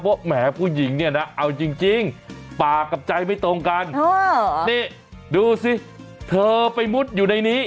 เพราะแหมผู้หญิงเนี่ยนะเอาจริงปากกับใจไม่ตรงกันนี่ดูสิเธอไปมุดอยู่ในนี้